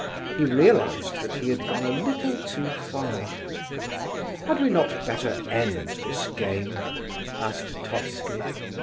He realized that he had gone a little too far. "Had we not better end this game?" asked Totski.